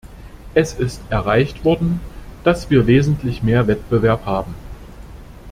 Es ist erreicht worden, dass wir wesentlich mehr Wettbewerb haben.